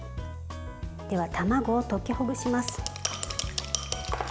では、卵を溶きほぐします。